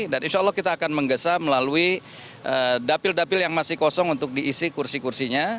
dan insya allah kita akan menggesa melalui dapil dapil yang masih kosong untuk diisi kursi kursinya